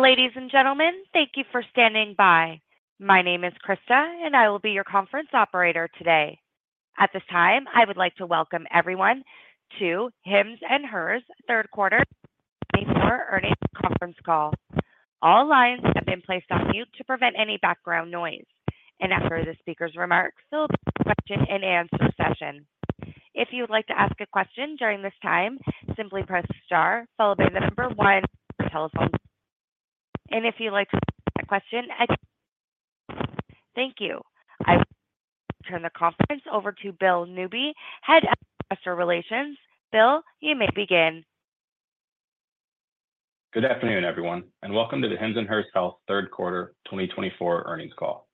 Ladies and gentlemen, thank you for standing by. My name is Krista, and I will be your conference operator today. At this time, I would like to welcome everyone to Hims & Hers Third Quarter 2024 Earnings Conference Call. All lines have been placed on mute to prevent any background noise, and after the speaker's remarks, there will be a question-and-answer session. If you would like to ask a question during this time, simply press star, followed by the number one on your telephone. Thank you. I will turn the conference over to Bill Newby, Head of Investor Relations. Bill, you may begin. Good afternoon, everyone, and welcome to the Hims & Hers Health Third Quarter 2024 Earnings Call.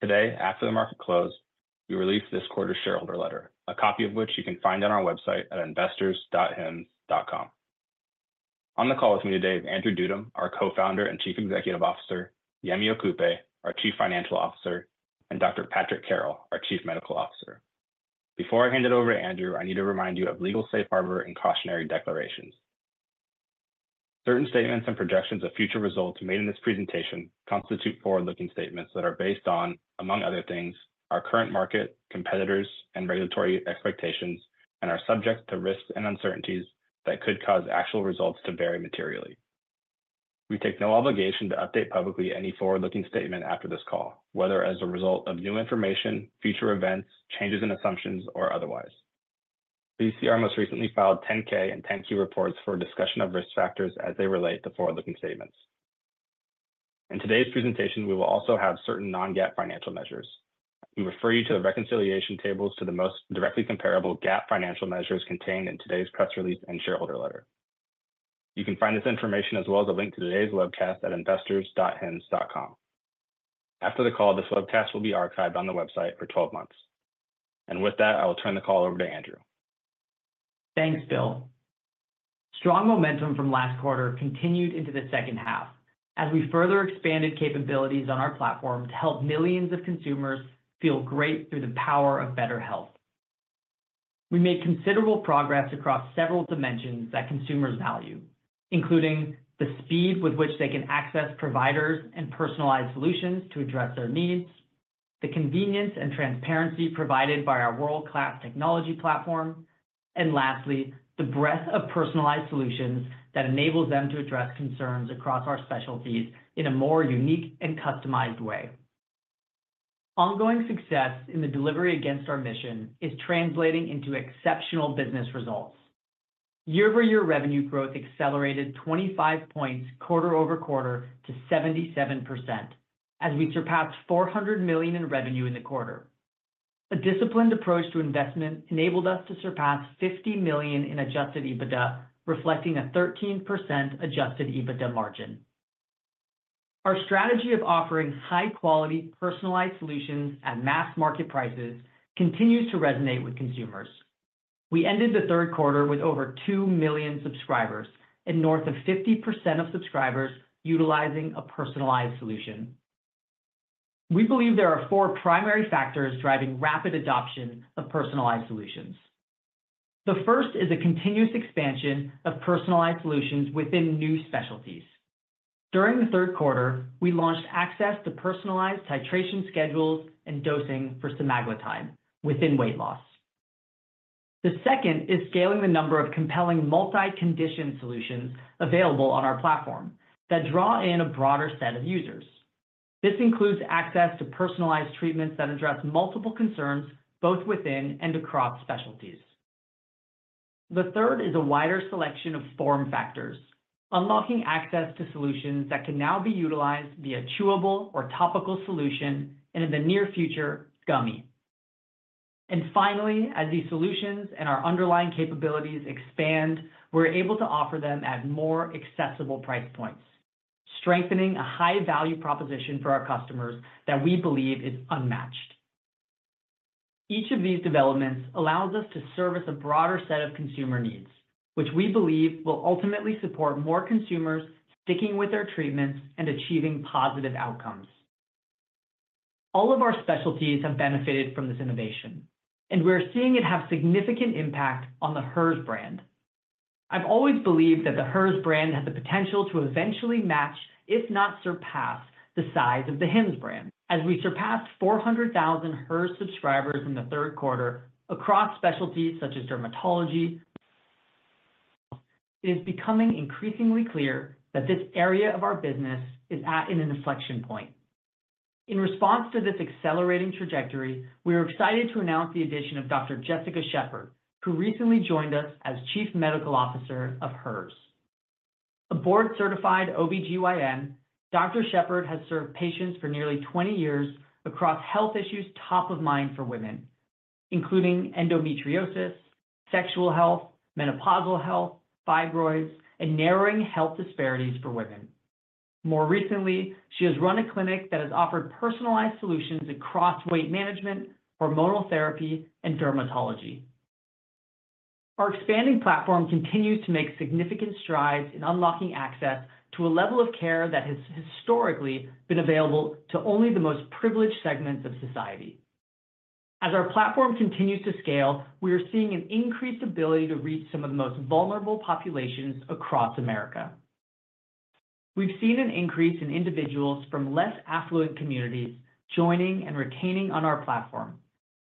Today, after the market closed, we released this quarter's shareholder letter, a copy of which you can find on our website at investors.hims.com. On the call with me today is Andrew Dudum, our Co-Founder and Chief Executive Officer, Yemi Okupe, our Chief Financial Officer, and Dr. Patrick Carroll, our Chief Medical Officer. Before I hand it over to Andrew, I need to remind you of legal safe harbor and cautionary declarations. Certain statements and projections of future results made in this presentation constitute forward-looking statements that are based on, among other things, our current market, competitors, and regulatory expectations, and are subject to risks and uncertainties that could cause actual results to vary materially. We take no obligation to update publicly any forward-looking statement after this call, whether as a result of new information, future events, changes in assumptions, or otherwise. Please see our most recently filed 10-K and 10-Q reports for a discussion of risk factors as they relate to forward-looking statements. In today's presentation, we will also have certain non-GAAP financial measures. We refer you to the reconciliation tables to the most directly comparable GAAP financial measures contained in today's press release and shareholder letter. You can find this information, as well as a link to today's webcast, at investors.hims.com. After the call, this webcast will be archived on the website for 12 months. And with that, I will turn the call over to Andrew. Thanks, Bill. Strong momentum from last quarter continued into the second half as we further expanded capabilities on our platform to help millions of consumers feel great through the power of better health. We made considerable progress across several dimensions that consumers value, including the speed with which they can access providers and personalized solutions to address their needs, the convenience and transparency provided by our world-class technology platform, and lastly, the breadth of personalized solutions that enables them to address concerns across our specialties in a more unique and customized way. Ongoing success in the delivery against our mission is translating into exceptional business results. Year-over-year revenue growth accelerated 25 points quarter-over-quarter to 77% as we surpassed $400 million in revenue in the quarter. A disciplined approach to investment enabled us to surpass $50 million in adjusted EBITDA, reflecting a 13% adjusted EBITDA margin. Our strategy of offering high-quality personalized solutions at mass market prices continues to resonate with consumers. We ended the third quarter with over two million subscribers and north of 50% of subscribers utilizing a personalized solution. We believe there are four primary factors driving rapid adoption of personalized solutions. The first is a continuous expansion of personalized solutions within new specialties. During the third quarter, we launched access to personalized titration schedules and dosing for semaglutide within weight loss. The second is scaling the number of compelling multi-condition solutions available on our platform that draw in a broader set of users. This includes access to personalized treatments that address multiple concerns both within and across specialties. The third is a wider selection of form factors, unlocking access to solutions that can now be utilized via chewable or topical solution and, in the near future, gummy. And finally, as these solutions and our underlying capabilities expand, we're able to offer them at more accessible price points, strengthening a high-value proposition for our customers that we believe is unmatched. Each of these developments allows us to service a broader set of consumer needs, which we believe will ultimately support more consumers sticking with their treatments and achieving positive outcomes. All of our specialties have benefited from this innovation, and we're seeing it have a significant impact on the Hers brand. I've always believed that the Hers brand has the potential to eventually match, if not surpass, the size of the Hims brand. As we surpassed 400,000 Hers subscribers in the third quarter across specialties such as dermatology, it is becoming increasingly clear that this area of our business is at an inflection point. In response to this accelerating trajectory, we are excited to announce the addition of Dr. Jessica Shepherd, who recently joined us as Chief Medical Officer of Hers. A board-certified OB/GYN, Dr. Shepherd has served patients for nearly 20 years across health issues top of mind for women, including endometriosis, sexual health, menopausal health, fibroids, and narrowing health disparities for women. More recently, she has run a clinic that has offered personalized solutions across weight management, hormonal therapy, and dermatology. Our expanding platform continues to make significant strides in unlocking access to a level of care that has historically been available to only the most privileged segments of society. As our platform continues to scale, we are seeing an increased ability to reach some of the most vulnerable populations across America. We've seen an increase in individuals from less affluent communities joining and retaining on our platform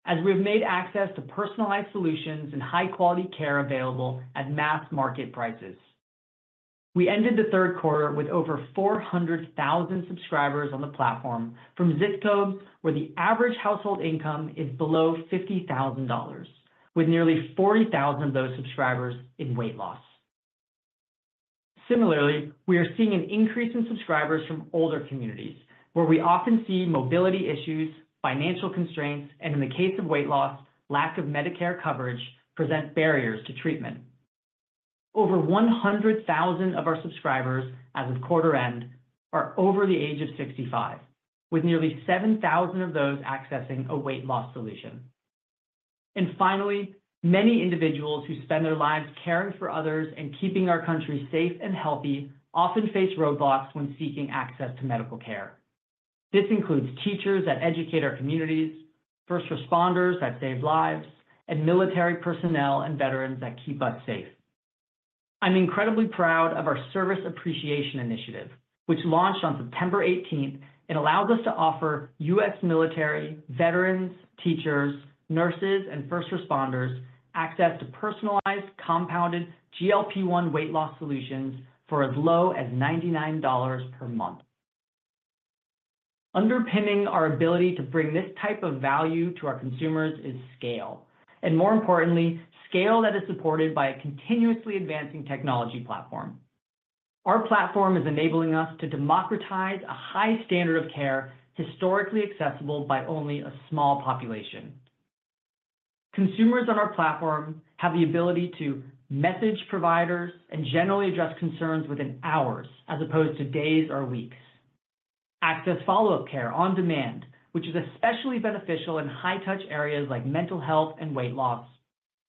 as we have made access to personalized solutions and high-quality care available at mass market prices. We ended the third quarter with over 400,000 subscribers on the platform from ZIP codes where the average household income is below $50,000, with nearly 40,000 of those subscribers in weight loss. Similarly, we are seeing an increase in subscribers from older communities, where we often see mobility issues, financial constraints, and, in the case of weight loss, lack of Medicare coverage presents barriers to treatment. Over 100,000 of our subscribers, as of quarter end, are over the age of 65, with nearly 7,000 of those accessing a weight loss solution. And finally, many individuals who spend their lives caring for others and keeping our country safe and healthy often face roadblocks when seeking access to medical care. This includes teachers that educate our communities, first responders that save lives, and military personnel and veterans that keep us safe. I'm incredibly proud of our Service Appreciation Initiative, which launched on September 18th and allows us to offer U.S. military, veterans, teachers, nurses, and first responders access to personalized, compounded GLP-1 weight loss solutions for as low as $99 per month. Underpinning our ability to bring this type of value to our consumers is scale, and more importantly, scale that is supported by a continuously advancing technology platform. Our platform is enabling us to democratize a high standard of care historically accessible by only a small population. Consumers on our platform have the ability to message providers and generally address concerns within hours as opposed to days or weeks, access follow-up care on demand, which is especially beneficial in high-touch areas like mental health and weight loss,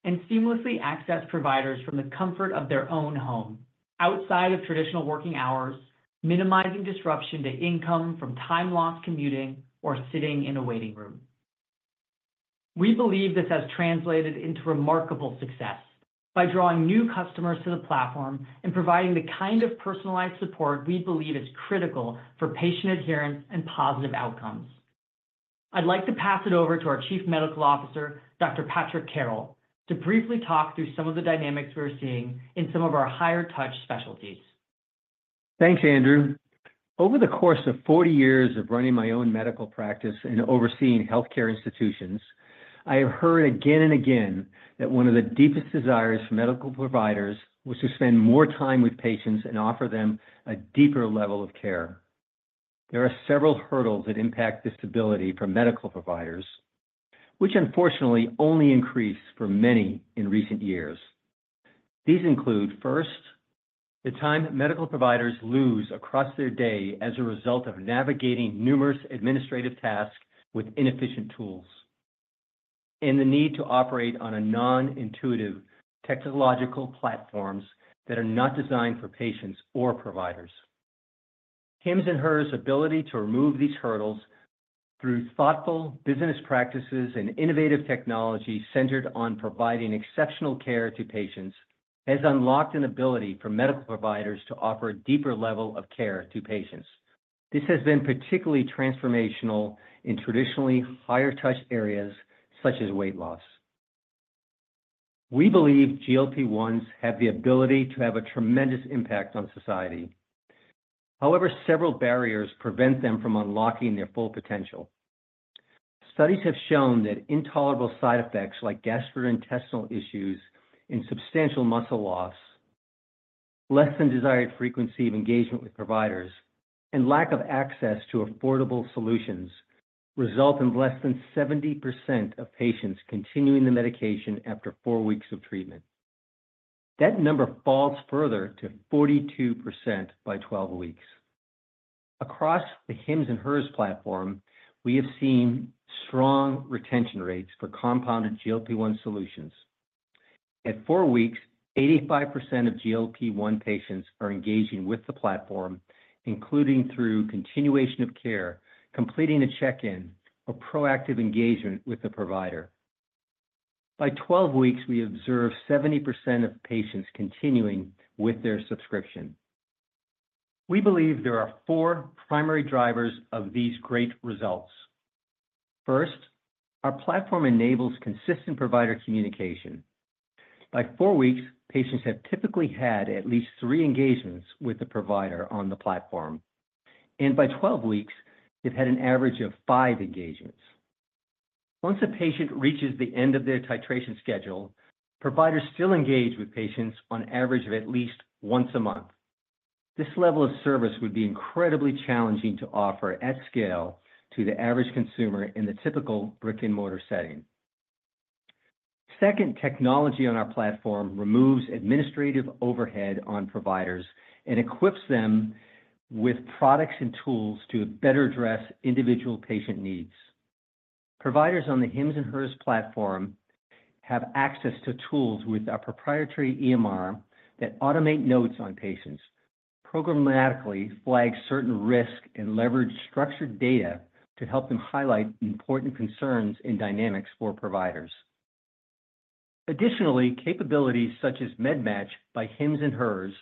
and seamlessly access providers from the comfort of their own home outside of traditional working hours, minimizing disruption to income from time-lost commuting or sitting in a waiting room. We believe this has translated into remarkable success by drawing new customers to the platform and providing the kind of personalized support we believe is critical for patient adherence and positive outcomes. I'd like to pass it over to our Chief Medical Officer, Dr. Patrick Carroll, to briefly talk through some of the dynamics we're seeing in some of our higher-touch specialties. Thanks, Andrew. Over the course of 40 years of running my own medical practice and overseeing healthcare institutions, I have heard again and again that one of the deepest desires for medical providers was to spend more time with patients and offer them a deeper level of care. There are several hurdles that impact this ability for medical providers, which unfortunately only increased for many in recent years. These include, first, the time that medical providers lose across their day as a result of navigating numerous administrative tasks with inefficient tools and the need to operate on non-intuitive technological platforms that are not designed for patients or providers. Hims & Hers' ability to remove these hurdles through thoughtful business practices and innovative technology centered on providing exceptional care to patients has unlocked an ability for medical providers to offer a deeper level of care to patients. This has been particularly transformational in traditionally higher-touch areas such as weight loss. We believe GLP-1s have the ability to have a tremendous impact on society. However, several barriers prevent them from unlocking their full potential. Studies have shown that intolerable side effects like gastrointestinal issues and substantial muscle loss, less-than-desired frequency of engagement with providers, and lack of access to affordable solutions result in less than 70% of patients continuing the medication after four weeks of treatment. That number falls further to 42% by 12 weeks. Across the Hims & Hers platform, we have seen strong retention rates for compounded GLP-1 solutions. At four weeks, 85% of GLP-1 patients are engaging with the platform, including through continuation of care, completing a check-in, or proactive engagement with the provider. By 12 weeks, we observe 70% of patients continuing with their subscription. We believe there are four primary drivers of these great results. First, our platform enables consistent provider communication. By four weeks, patients have typically had at least three engagements with the provider on the platform, and by 12 weeks, they've had an average of five engagements. Once a patient reaches the end of their titration schedule, providers still engage with patients on average of at least once a month. This level of service would be incredibly challenging to offer at scale to the average consumer in the typical brick-and-mortar setting. Second, technology on our platform removes administrative overhead on providers and equips them with products and tools to better address individual patient needs. Providers on the Hims & Hers platform have access to tools with our proprietary EMR that automate notes on patients, programmatically flag certain risks, and leverage structured data to help them highlight important concerns and dynamics for providers. Additionally, capabilities such as MedMatch by Hims & Hers,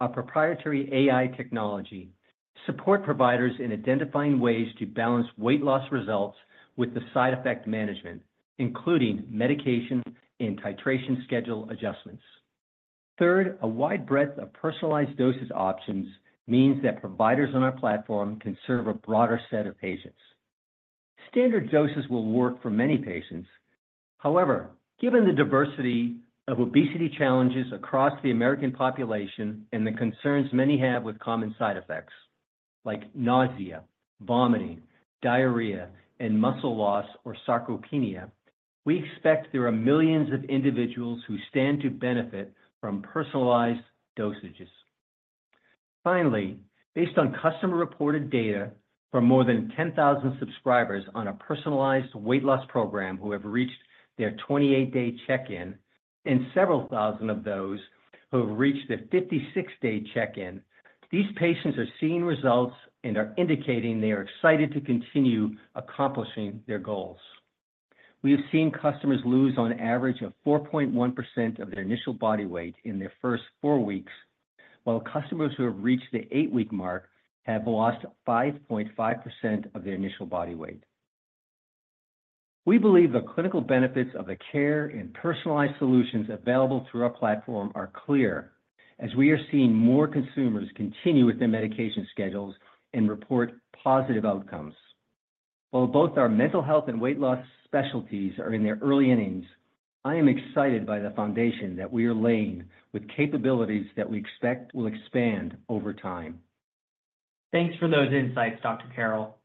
our proprietary AI technology, support providers in identifying ways to balance weight loss results with the side effect management, including medication and titration schedule adjustments. Third, a wide breadth of personalized dosage options means that providers on our platform can serve a broader set of patients. Standard doses will work for many patients. However, given the diversity of obesity challenges across the American population and the concerns many have with common side effects like nausea, vomiting, diarrhea, and muscle loss or sarcopenia, we expect there are millions of individuals who stand to benefit from personalized dosages. Finally, based on customer-reported data from more than 10,000 subscribers on a personalized weight loss program who have reached their 28-day check-in and several thousand of those who have reached their 56-day check-in, these patients are seeing results and are indicating they are excited to continue accomplishing their goals. We have seen customers lose on average of 4.1% of their initial body weight in their first four weeks, while customers who have reached the eight-week mark have lost 5.5% of their initial body weight. We believe the clinical benefits of the care and personalized solutions available through our platform are clear, as we are seeing more consumers continue with their medication schedules and report positive outcomes. While both our mental health and weight loss specialties are in their early innings, I am excited by the foundation that we are laying with capabilities that we expect will expand over time. Thanks for those insights, Dr. Carroll.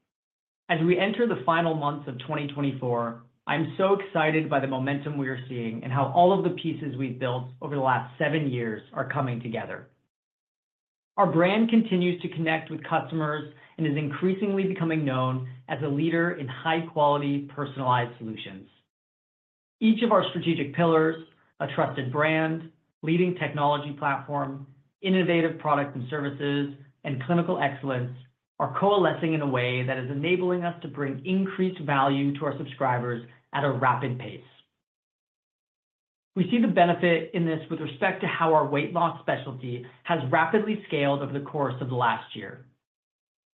As we enter the final months of 2024, I'm so excited by the momentum we are seeing and how all of the pieces we've built over the last seven years are coming together. Our brand continues to connect with customers and is increasingly becoming known as a leader in high-quality personalized solutions. Each of our strategic pillars, a trusted brand, leading technology platform, innovative products and services, and clinical excellence are coalescing in a way that is enabling us to bring increased value to our subscribers at a rapid pace. We see the benefit in this with respect to how our weight loss specialty has rapidly scaled over the course of the last year.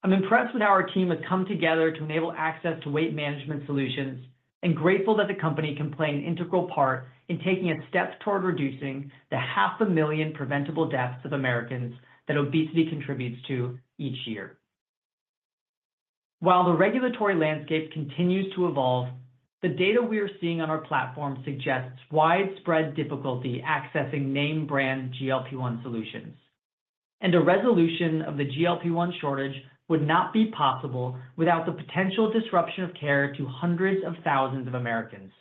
I'm impressed with how our team has come together to enable access to weight management solutions and grateful that the company can play an integral part in taking a step toward reducing the half a million preventable deaths of Americans that obesity contributes to each year. While the regulatory landscape continues to evolve, the data we are seeing on our platform suggests widespread difficulty accessing name-brand GLP-1 solutions, and a resolution of the GLP-1 shortage would not be possible without the potential disruption of care to hundreds of thousands of Americans.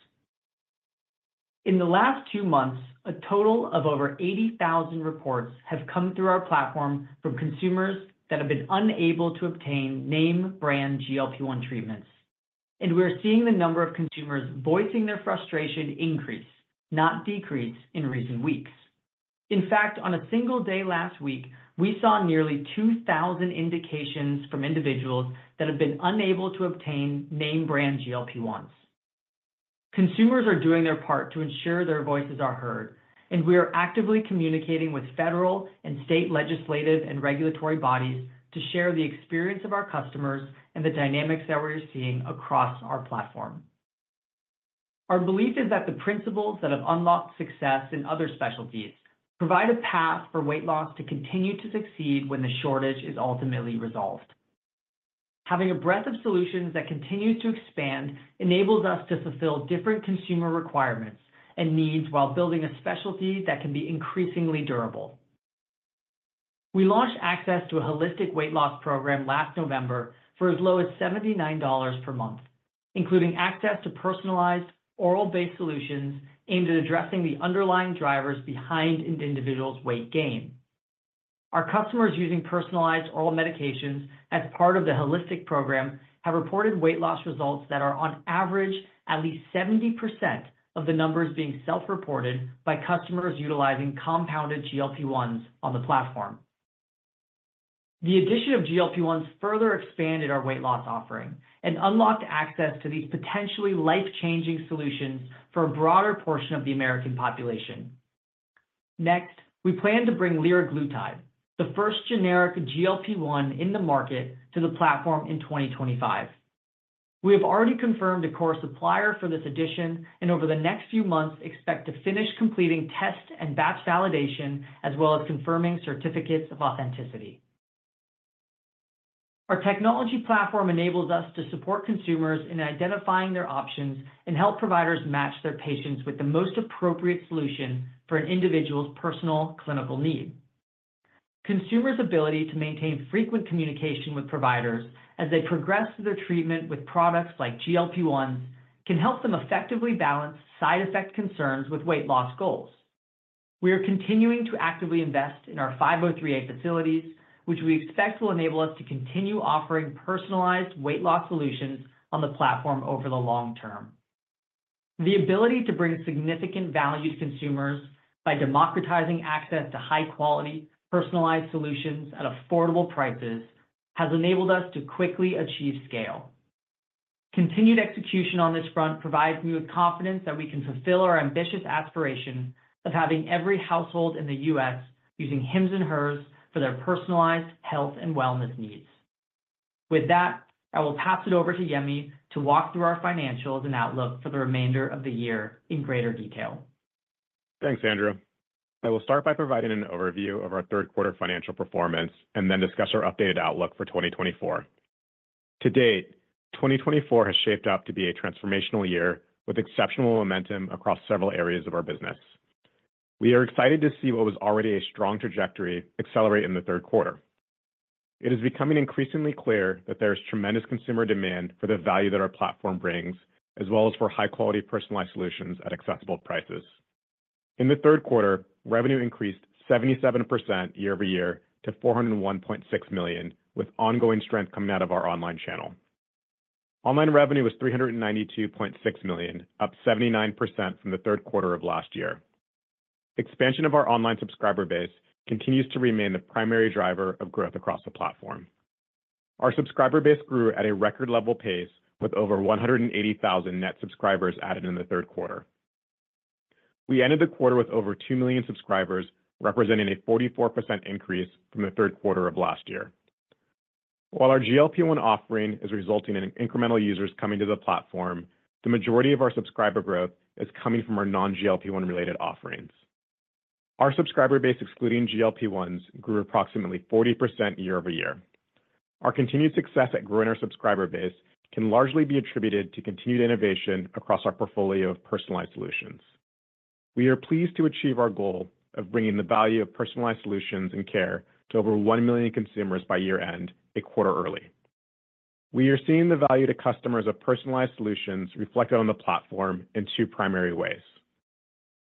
In the last two months, a total of over 80,000 reports have come through our platform from consumers that have been unable to obtain name-brand GLP-1 treatments, and we are seeing the number of consumers voicing their frustration increase, not decrease, in recent weeks. In fact, on a single day last week, we saw nearly 2,000 indications from individuals that have been unable to obtain name-brand GLP-1s. Consumers are doing their part to ensure their voices are heard, and we are actively communicating with federal and state legislative and regulatory bodies to share the experience of our customers and the dynamics that we are seeing across our platform. Our belief is that the principles that have unlocked success in other specialties provide a path for weight loss to continue to succeed when the shortage is ultimately resolved. Having a breadth of solutions that continues to expand enables us to fulfill different consumer requirements and needs while building a specialty that can be increasingly durable. We launched access to a holistic weight loss program last November for as low as $79 per month, including access to personalized oral-based solutions aimed at addressing the underlying drivers behind an individual's weight gain. Our customers using personalized oral medications as part of the holistic program have reported weight loss results that are on average at least 70% of the numbers being self-reported by customers utilizing compounded GLP-1s on the platform. The addition of GLP-1s further expanded our weight loss offering and unlocked access to these potentially life-changing solutions for a broader portion of the American population. Next, we plan to bring liraglutide, the first generic GLP-1 in the market, to the platform in 2025. We have already confirmed a core supplier for this addition and over the next few months expect to finish completing test and batch validation as well as confirming certificates of authenticity. Our technology platform enables us to support consumers in identifying their options and help providers match their patients with the most appropriate solution for an individual's personal clinical need. Consumers' ability to maintain frequent communication with providers as they progress through their treatment with products like GLP-1s can help them effectively balance side effect concerns with weight loss goals. We are continuing to actively invest in our 503A facilities, which we expect will enable us to continue offering personalized weight loss solutions on the platform over the long term. The ability to bring significant value to consumers by democratizing access to high-quality personalized solutions at affordable prices has enabled us to quickly achieve scale. Continued execution on this front provides me with confidence that we can fulfill our ambitious aspiration of having every household in the U.S. using Hims & Hers for their personalized health and wellness needs. With that, I will pass it over to Yemi to walk through our financials and outlook for the remainder of the year in greater detail. Thanks, Andrew. I will start by providing an overview of our third-quarter financial performance and then discuss our updated outlook for 2024. To date, 2024 has shaped up to be a transformational year with exceptional momentum across several areas of our business. We are excited to see what was already a strong trajectory accelerate in the third quarter. It is becoming increasingly clear that there is tremendous consumer demand for the value that our platform brings, as well as for high-quality personalized solutions at accessible prices. In the third quarter, revenue increased 77% year-over-year to $401.6 million, with ongoing strength coming out of our online channel. Online revenue was $392.6 million, up 79% from the third quarter of last year. Expansion of our online subscriber base continues to remain the primary driver of growth across the platform. Our subscriber base grew at a record-level pace, with over 180,000 net subscribers added in the third quarter. We ended the quarter with over two million subscribers, representing a 44% increase from the third quarter of last year. While our GLP-1 offering is resulting in incremental users coming to the platform, the majority of our subscriber growth is coming from our non-GLP-1 related offerings. Our subscriber base, excluding GLP-1s, grew approximately 40% year-over-year. Our continued success at growing our subscriber base can largely be attributed to continued innovation across our portfolio of personalized solutions. We are pleased to achieve our goal of bringing the value of personalized solutions and care to over one million consumers by year-end a quarter early. We are seeing the value to customers of personalized solutions reflected on the platform in two primary ways.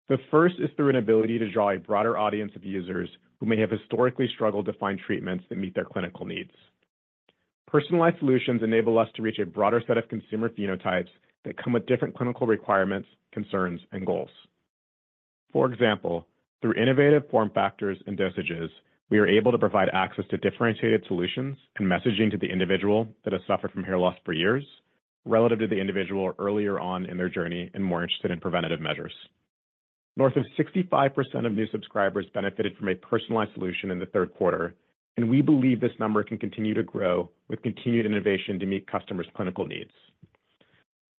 The first is through an ability to draw a broader audience of users who may have historically struggled to find treatments that meet their clinical needs. Personalized solutions enable us to reach a broader set of consumer phenotypes that come with different clinical requirements, concerns, and goals. For example, through innovative form factors and dosages, we are able to provide access to differentiated solutions and messaging to the individual that has suffered from hair loss for years relative to the individual earlier on in their journey and more interested in preventative measures. North of 65% of new subscribers benefited from a personalized solution in the third quarter, and we believe this number can continue to grow with continued innovation to meet customers' clinical needs.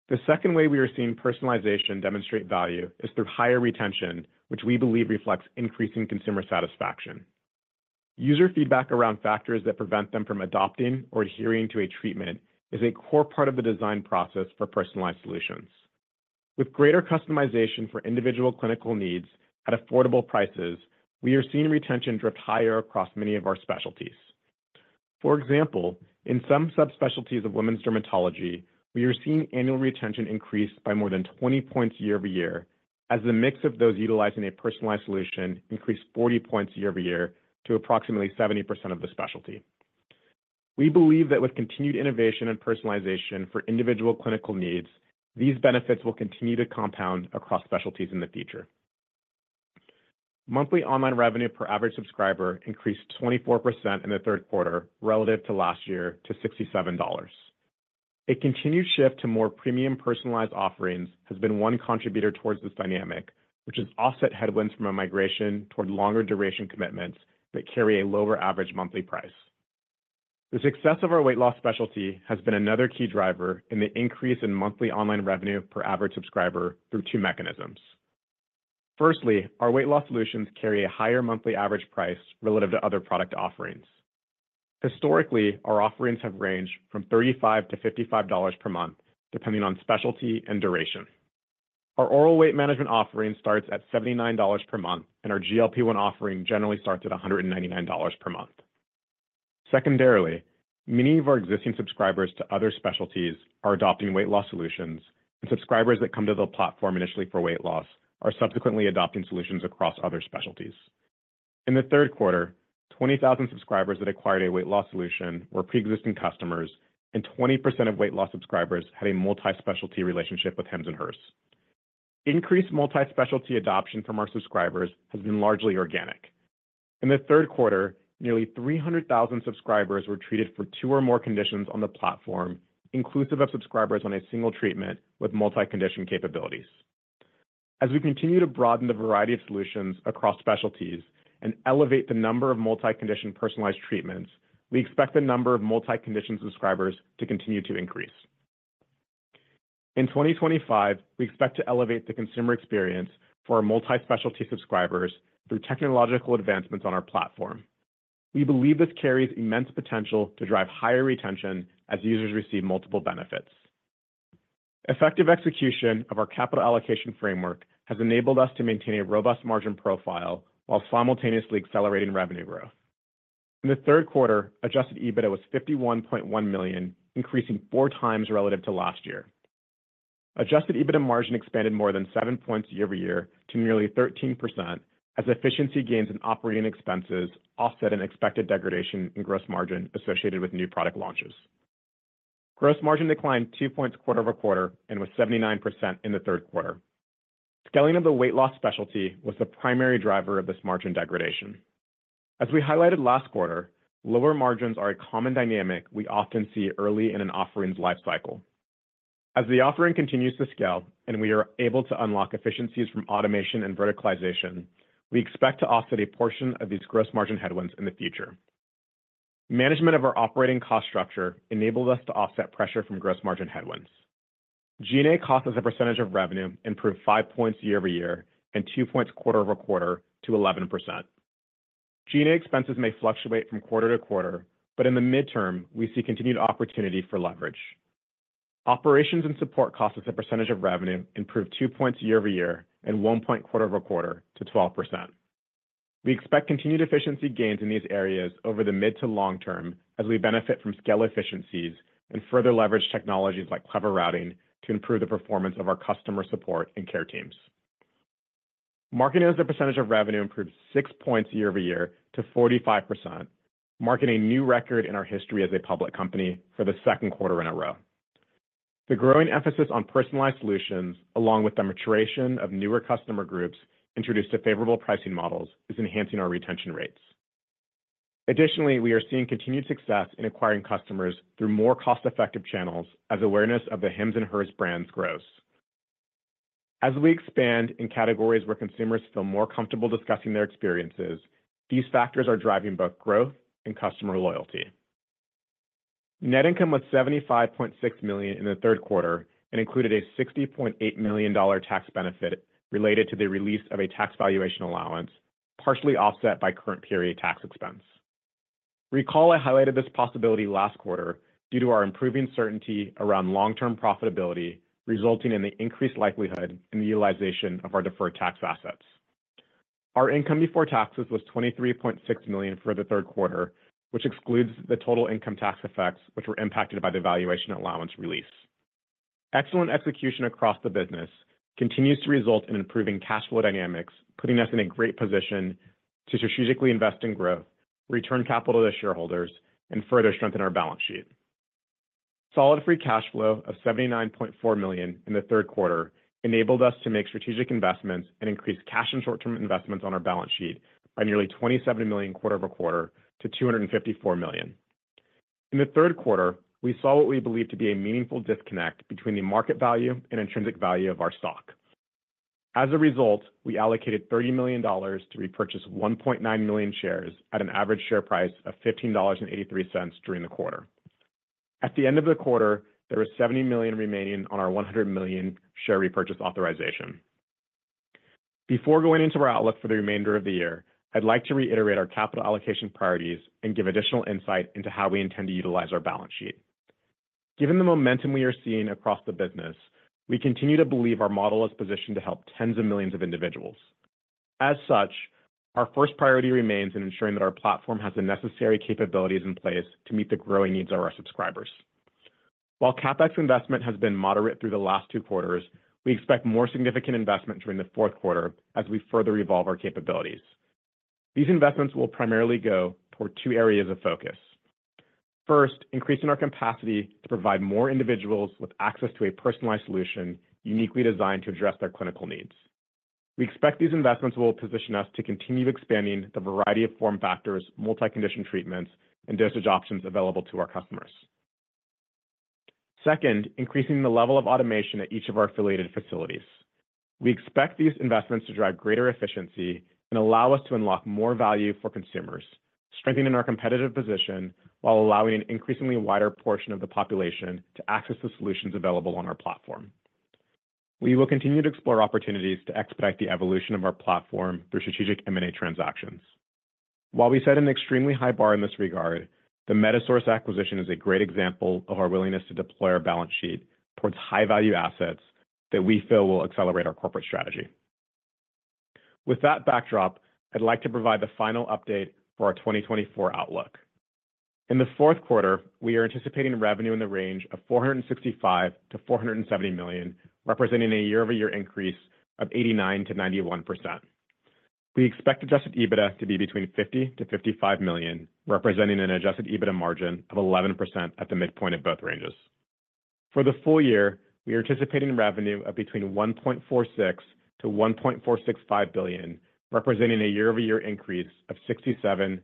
The second way we are seeing personalization demonstrate value is through higher retention, which we believe reflects increasing consumer satisfaction. User feedback around factors that prevent them from adopting or adhering to a treatment is a core part of the design process for personalized solutions. With greater customization for individual clinical needs at affordable prices, we are seeing retention drift higher across many of our specialties. For example, in some subspecialties of women's dermatology, we are seeing annual retention increase by more than 20 points year-over-year as the mix of those utilizing a personalized solution increased 40 points year-over-year to approximately 70% of the specialty. We believe that with continued innovation and personalization for individual clinical needs, these benefits will continue to compound across specialties in the future. Monthly online revenue per average subscriber increased 24% in the third quarter relative to last year to $67. A continued shift to more premium personalized offerings has been one contributor towards this dynamic, which has offset headwinds from a migration toward longer duration commitments that carry a lower average monthly price. The success of our weight loss specialty has been another key driver in the increase in monthly online revenue per average subscriber through two mechanisms. Firstly, our weight loss solutions carry a higher monthly average price relative to other product offerings. Historically, our offerings have ranged from $35-$55 per month, depending on specialty and duration. Our oral weight management offering starts at $79 per month, and our GLP-1 offering generally starts at $199 per month. Secondarily, many of our existing subscribers to other specialties are adopting weight loss solutions, and subscribers that come to the platform initially for weight loss are subsequently adopting solutions across other specialties. In the third quarter, 20,000 subscribers that acquired a weight loss solution were pre-existing customers, and 20% of weight loss subscribers had a multi-specialty relationship with Hims & Hers. Increased multi-specialty adoption from our subscribers has been largely organic. In the third quarter, nearly 300,000 subscribers were treated for two or more conditions on the platform, inclusive of subscribers on a single treatment with multi-condition capabilities. As we continue to broaden the variety of solutions across specialties and elevate the number of multi-condition personalized treatments, we expect the number of multi-condition subscribers to continue to increase. In 2025, we expect to elevate the consumer experience for our multi-specialty subscribers through technological advancements on our platform. We believe this carries immense potential to drive higher retention as users receive multiple benefits. Effective execution of our capital allocation framework has enabled us to maintain a robust margin profile while simultaneously accelerating revenue growth. In the third quarter, adjusted EBITDA was $51.1 million, increasing four times relative to last year. Adjusted EBITDA margin expanded more than seven points year-over-year to nearly 13% as efficiency gains in operating expenses offset an expected degradation in gross margin associated with new product launches. Gross margin declined two points quarter-over-quarter and was 79% in the third quarter. Scaling of the weight loss specialty was the primary driver of this margin degradation. As we highlighted last quarter, lower margins are a common dynamic we often see early in an offering's lifecycle. As the offering continues to scale and we are able to unlock efficiencies from automation and verticalization, we expect to offset a portion of these gross margin headwinds in the future. Management of our operating cost structure enabled us to offset pressure from gross margin headwinds. G&A cost as a percentage of revenue improved five points year-over-year and two points quarter over quarter to 11%. G&A expenses may fluctuate from quarter to quarter, but in the midterm, we see continued opportunity for leverage. Operations and support cost as a percentage of revenue improved two points year-over-year and one point quarter-over quarter to 12%. We expect continued-efficiency gains in these areas over the mid to long term as we benefit from scale efficiencies and further leverage technologies like clever routing to improve the performance of our customer support and care teams. Marketing as a percentage of revenue improved six points year-over-year to 45%, marking a new record in our history as a public company for the second quarter in a row. The growing emphasis on personalized solutions, along with the maturation of newer customer groups introduced to favorable pricing models, is enhancing our retention rates. Additionally, we are seeing continued success in acquiring customers through more cost-effective channels as awareness of the Hims & Hers brands grows. As we expand in categories where consumers feel more comfortable discussing their experiences, these factors are driving both growth and customer loyalty. Net income was $75.6 million in the third quarter and included a $60.8 million tax benefit related to the release of a tax valuation allowance, partially offset by current period tax expense. Recall I highlighted this possibility last quarter due to our improving certainty around long-term profitability, resulting in the increased likelihood in the utilization of our deferred tax assets. Our income before taxes was $23.6 million for the third quarter, which excludes the total income tax effects which were impacted by the valuation allowance release. Excellent execution across the business continues to result in improving cash flow dynamics, putting us in a great position to strategically invest in growth, return capital to shareholders, and further strengthen our balance sheet. Solid free cash flow of $79.4 million in the third quarter enabled us to make strategic investments and increase cash and short-term investments on our balance sheet by nearly $27 million quarter-over-quarter to $254 million. In the third quarter, we saw what we believe to be a meaningful disconnect between the market value and intrinsic value of our stock. As a result, we allocated $30 million to repurchase 1.9 million shares at an average share price of $15.83 during the quarter. At the end of the quarter, there was $70 million remaining on our $100 million share repurchase authorization. Before going into our outlook for the remainder of the year, I'd like to reiterate our capital allocation priorities and give additional insight into how we intend to utilize our balance sheet. Given the momentum we are seeing across the business, we continue to believe our model is positioned to help tens of millions of individuals. As such, our first priority remains in ensuring that our platform has the necessary capabilities in place to meet the growing needs of our subscribers. While CapEx investment has been moderate through the last two quarters, we expect more significant investment during the fourth quarter as we further evolve our capabilities. These investments will primarily go toward two areas of focus. First, increasing our capacity to provide more individuals with access to a personalized solution uniquely designed to address their clinical needs. We expect these investments will position us to continue expanding the variety of form factors, multi-condition treatments, and dosage options available to our customers. Second, increasing the level of automation at each of our affiliated facilities. We expect these investments to drive greater efficiency and allow us to unlock more value for consumers, strengthening our competitive position while allowing an increasingly wider portion of the population to access the solutions available on our platform. We will continue to explore opportunities to expedite the evolution of our platform through strategic M&A transactions. While we set an extremely high bar in this regard, the MedisourceRx acquisition is a great example of our willingness to deploy our balance sheet towards high-value assets that we feel will accelerate our corporate strategy. With that backdrop, I'd like to provide the final update for our 2024 outlook. In the fourth quarter, we are anticipating revenue in the range of $465 million-$470 million, representing a year-over-year increase of 89%-91%. We expect adjusted EBITDA to be between $50 million-$55 million, representing an adjusted EBITDA margin of 11% at the midpoint of both ranges. For the full year, we are anticipating revenue of between $1.46 billion-$1.465 billion, representing a year-over-year increase of 67%-68%.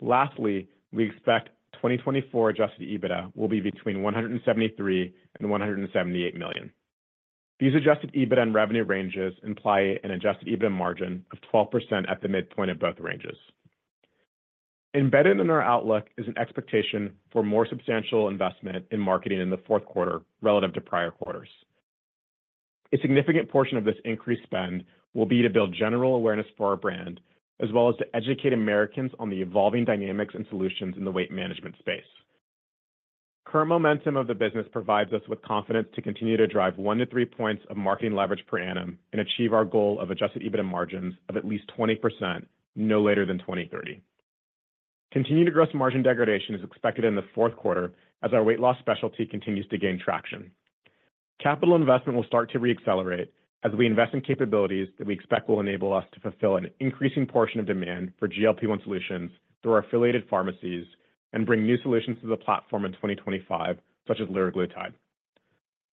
Lastly, we expect 2024 adjusted EBITDA will be between $173 million-$178 million. These adjusted EBITDA and revenue ranges imply an adjusted EBITDA margin of 12% at the midpoint of both ranges. Embedded in our outlook is an expectation for more substantial investment in marketing in the fourth quarter relative to prior quarters. A significant portion of this increased spend will be to build general awareness for our brand, as well as to educate Americans on the evolving dynamics and solutions in the weight management space. Current momentum of the business provides us with confidence to continue to drive one to three points of marketing leverage per annum and achieve our goal of adjusted EBITDA margins of at least 20% no later than 2030. Continued gross margin degradation is expected in the fourth quarter as our weight loss specialty continues to gain traction. Capital investment will start to reaccelerate as we invest in capabilities that we expect will enable us to fulfill an increasing portion of demand for GLP-1 solutions through our affiliated pharmacies and bring new solutions to the platform in 2025, such as liraglutide.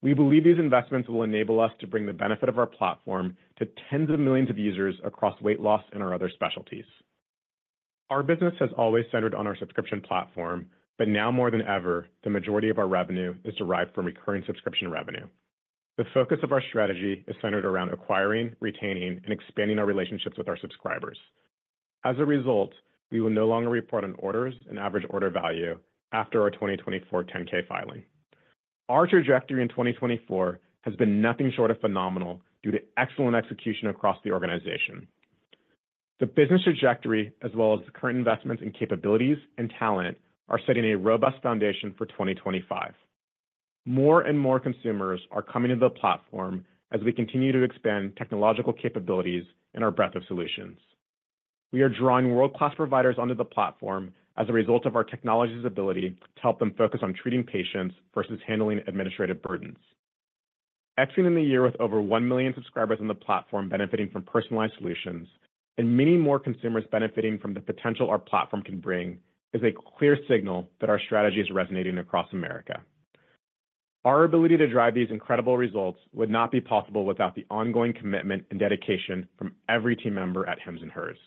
We believe these investments will enable us to bring the benefit of our platform to tens of millions of users across weight loss and our other specialties. Our business has always centered on our subscription platform, but now more than ever, the majority of our revenue is derived from recurring subscription revenue. The focus of our strategy is centered around acquiring, retaining, and expanding our relationships with our subscribers. As a result, we will no longer report on orders and average order value after our 2024 10-K filing. Our trajectory in 2024 has been nothing short of phenomenal due to excellent execution across the organization. The business trajectory, as well as the current investments in capabilities and talent, are setting a robust foundation for 2025. More and more consumers are coming to the platform as we continue to expand technological capabilities and our breadth of solutions. We are drawing world-class providers onto the platform as a result of our technology's ability to help them focus on treating patients versus handling administrative burdens. Exiting the year with over one million subscribers on the platform benefiting from personalized solutions and many more consumers benefiting from the potential our platform can bring is a clear signal that our strategy is resonating across America. Our ability to drive these incredible results would not be possible without the ongoing commitment and dedication from every team member at Hims & Hers.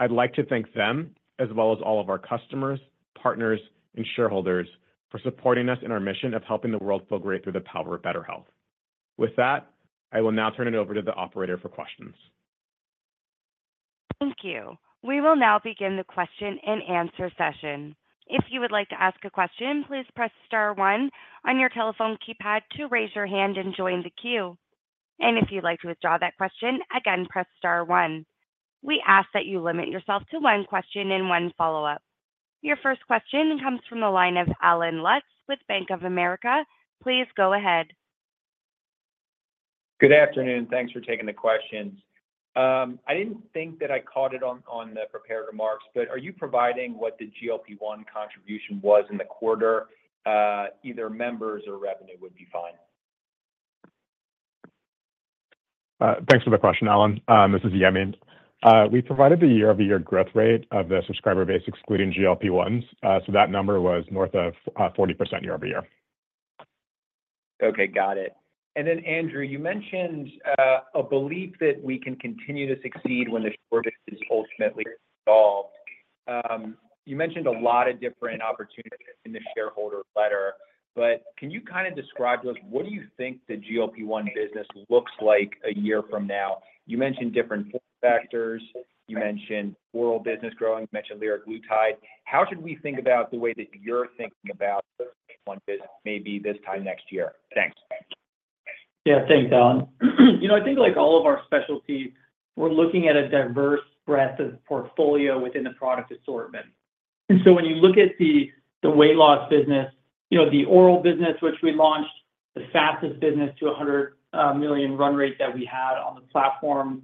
I'd like to thank them, as well as all of our customers, partners, and shareholders for supporting us in our mission of helping the world feel great through the power of better health. With that, I will now turn it over to the operator for questions. Thank you. We will now begin the question and answer session. If you would like to ask a question, please press star one on your telephone keypad to raise your hand and join the queue. And if you'd like to withdraw that question, again, press star one. We ask that you limit yourself to one question and one follow-up. Your first question comes from the line of Allen Lutz with Bank of America. Please go ahead. Good afternoon. Thanks for taking the questions. I didn't think that I caught it on the prepared remarks, but are you providing what the GLP-1 contribution was in the quarter? Either members or revenue would be fine. Thanks for the question, Allen. This is Yemi. We provided the year-over-year growth rate of the subscriber base, excluding GLP-1s. So that number was north of 40% year-over-year. Okay. Got it. And then, Andrew, you mentioned a belief that we can continue to succeed when the shortage is ultimately resolved. You mentioned a lot of different opportunities in the shareholder letter, but can you kind of describe to us what do you think the GLP-1 business looks like a year from now? You mentioned different factors. You mentioned oral business growing. You mentioned liraglutide. How should we think about the way that you're thinking about GLP-1 business maybe this time next year? Thanks. Yeah. Thanks, Allen. I think like all of our specialties, we're looking at a diverse breadth of portfolio within the product assortment. And so when you look at the weight loss business, the oral business, which we launched the fastest business to $100 million run rate that we had on the platform,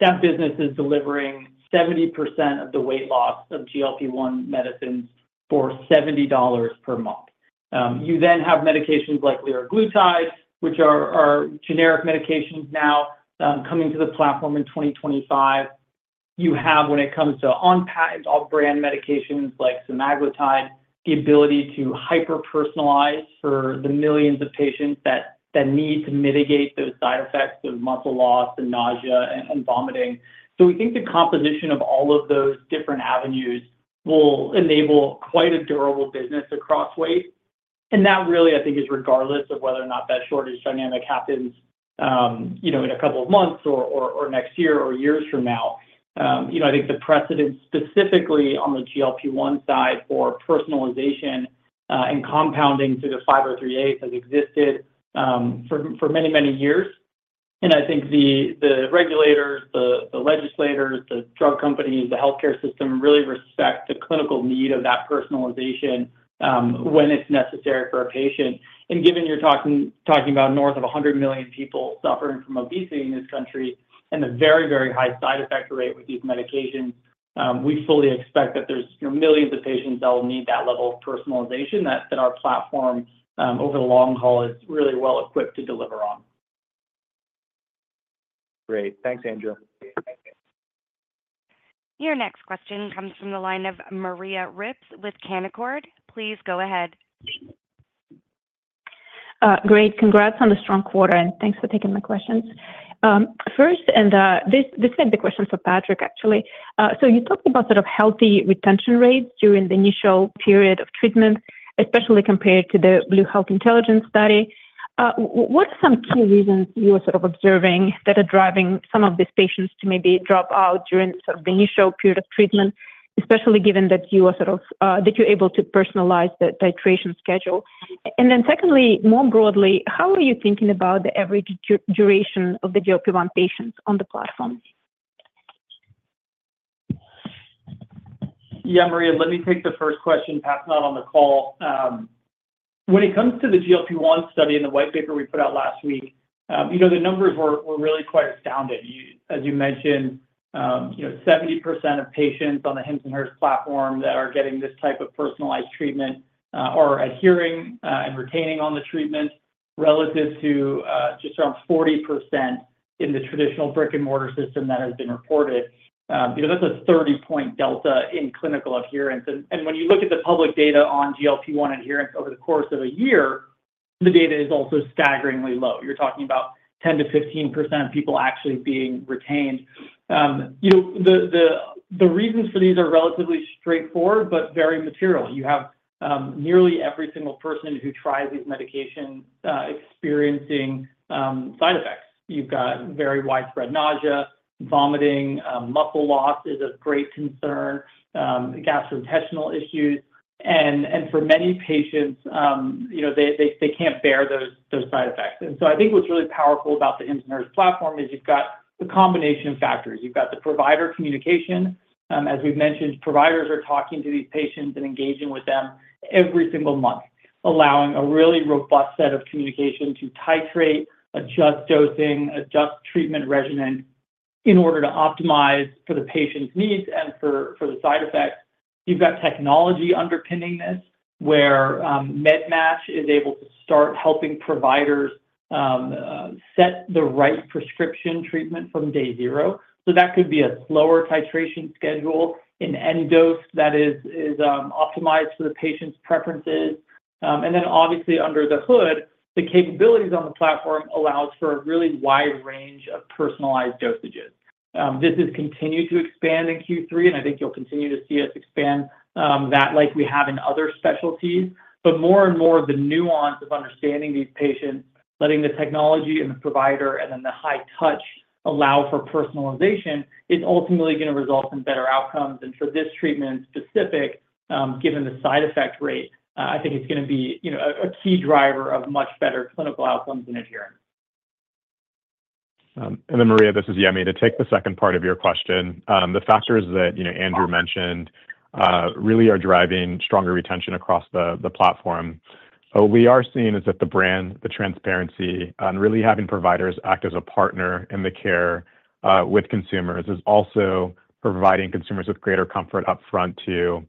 that business is delivering 70% of the weight loss of GLP-1 medicines for $70 per month. You then have medications like liraglutide, which are generic medications now coming to the platform in 2025. You have, when it comes to on-patent off-brand medications like semaglutide, the ability to hyper-personalize for the millions of patients that need to mitigate those side effects of muscle loss and nausea and vomiting. So we think the composition of all of those different avenues will enable quite a durable business across weight. And that really, I think, is regardless of whether or not that shortage dynamic happens in a couple of months or next year or years from now. I think the precedent specifically on the GLP-1 side for personalization and compounding through the 503As has existed for many, many years. And I think the regulators, the legislators, the drug companies, the healthcare system really respect the clinical need of that personalization when it's necessary for a patient. And given you're talking about north of 100 million people suffering from obesity in this country and the very, very high side effect rate with these medications, we fully expect that there's millions of patients that will need that level of personalization that our platform, over the long haul, is really well equipped to deliver on. Great. Thanks, Andrew. Your next question comes from the line of Maria Ripps with Canaccord. Please go ahead. Great. Congrats on the strong quarter. And thanks for taking my questions. First, and this is a question for Patrick, actually. So you talked about sort of healthy retention rates during the initial period of treatment, especially compared to the Blue Health Intelligence study. What are some key reasons you are sort of observing that are driving some of these patients to maybe drop out during sort of the initial period of treatment, especially given that you are sort of that you're able to personalize the titration schedule? And then secondly, more broadly, how are you thinking about the average duration of the GLP-1 patients on the platform? Yeah, Maria, let me take the first question past that on the call. When it comes to the GLP-1 study and the white paper we put out last week, the numbers were really quite astounding. As you mentioned, 70% of patients on the Hims & Hers platform that are getting this type of personalized treatment are adhering and retaining on the treatment relative to just around 40% in the traditional brick-and-mortar system that has been reported. That's a 30-point delta in clinical adherence. And when you look at the public data on GLP-1 adherence over the course of a year, the data is also staggeringly low. You're talking about 10%-15% of people actually being retained. The reasons for these are relatively straightforward, but very material. You have nearly every single person who tries these medications experiencing side effects. You've got very widespread nausea, vomiting, muscle loss is of great concern, gastrointestinal issues. And for many patients, they can't bear those side effects. And so I think what's really powerful about the Hims & Hers platform is you've got a combination of factors. You've got the provider communication. As we've mentioned, providers are talking to these patients and engaging with them every single month, allowing a really robust set of communication to titrate, adjust dosing, adjust treatment regimen in order to optimize for the patient's needs and for the side effects. You've got technology underpinning this where MedMatch is able to start helping providers set the right prescription treatment from day zero, so that could be a slower titration schedule in any dose that is optimized for the patient's preferences, and then, obviously, under the hood, the capabilities on the platform allow for a really wide range of personalized dosages. This has continued to expand in Q3, and I think you'll continue to see us expand that like we have in other specialties, but more and more, the nuance of understanding these patients, letting the technology and the provider and then the high touch allow for personalization is ultimately going to result in better outcomes, and for this treatment specific, given the side effect rate, I think it's going to be a key driver of much better clinical outcomes and adherence, And then, Maria, this is Yemi. To take the second part of your question, the factors that Andrew mentioned really are driving stronger retention across the platform. What we are seeing is that the brand, the transparency, and really having providers act as a partner in the care with consumers is also providing consumers with greater comfort upfront to